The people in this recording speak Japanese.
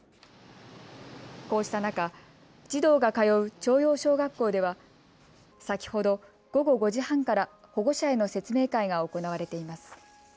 こうした中、児童が通う朝陽小学校では先ほど午後５時半から保護者への説明会が行われています。